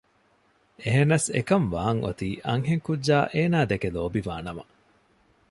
އެހެނަސް އެކަންވާން އޮތީ އަންހެން ކުއްޖާ އޭނާދެކެ ލޯބިވާ ނަމަ